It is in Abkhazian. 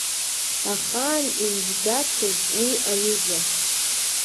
Ахаан имжәӡацызт уи аҩыза.